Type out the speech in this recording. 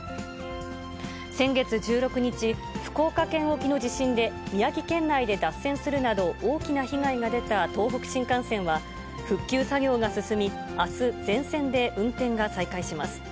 先月１６日、福岡県沖の地震で宮城県内で脱線するなど、大きな被害が出た東北新幹線は復旧作業が進み、あす、全線で運転が再開します。